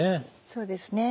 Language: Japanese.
そうですね。